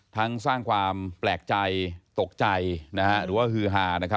ทั้งสร้างความแปลกใจตกใจหรือฮือหา